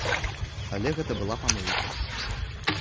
Але гэта была памылка.